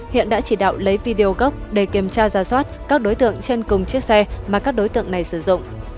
hiện đã chỉ đạo lấy video gốc để kiểm tra ra soát các đối tượng trên cùng chiếc xe mà các đối tượng này sử dụng